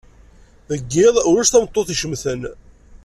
Deg yiḍ, ulac tameṭṭut icemten.